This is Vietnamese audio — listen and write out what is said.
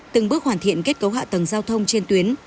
từng bước hoàn thiện kết cấu hạ tầng giao thông trên tuyến